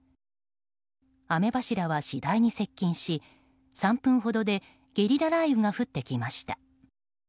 雨柱は次第に接近し３分ほどでゲリラ雷雨が降ってきました。